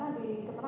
dari ibu fera